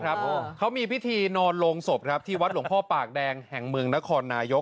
เขามีพิธีนอนลงศพครับที่วัดหลวงพ่อปากแดงแห่งเมืองนครนายก